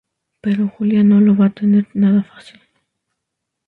Pero Julia no lo va a tener nada fácil.